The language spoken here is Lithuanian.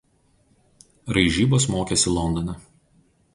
Raižybos mokėsi Londone.